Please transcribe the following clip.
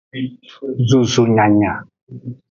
Zozo nyanya.